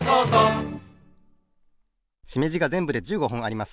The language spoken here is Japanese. しめじがぜんぶで１５ほんあります。